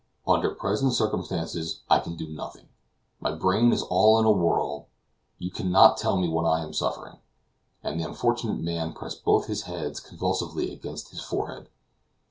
Under present circumstances, I can do nothing. My brain is all in a whirl, you can not tell what I am suffering;" and the unfortunate man pressed both his hands convulsively against his forehead.